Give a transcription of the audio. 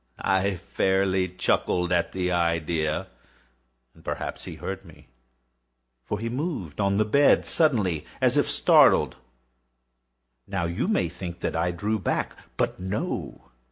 I fairly chuckled at the idea; and perhaps he heard me; for he moved on the bed suddenly, as if startled. Now you may think that I drew back—but no.